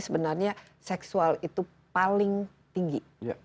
sebenarnya seksual itu paling tinggi